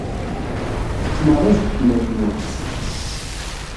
Tettettem ṛṛuz deg tmurt-nwen?